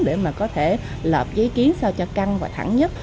để mà có thể lợp giấy kiến sao cho căng và thẳng nhất